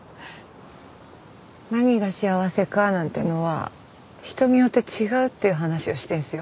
何が幸せかなんてのは人によって違うっていう話をしてんすよ